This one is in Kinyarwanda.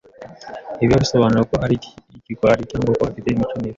ntibiba bisobanura ko ari ikigwari cyangwa ko afite imico mibi.